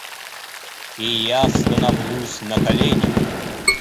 И я становлюсь на колени.